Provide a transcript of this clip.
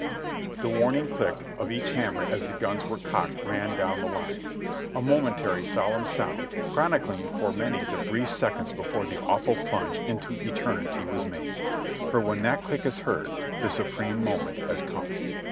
The warning click of each hammer as the gims were cocked ran down the lines; a monitory, solemn sound, chronicling for many the brief seconds before the awful plunge into Eternity was made; for when that click is heard the supreme moment has come.